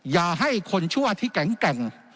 อย่าให้คนชั่วที่แก๋ง